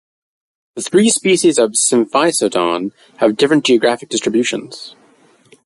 The three species of "Symphysodon" have different geographic distributions.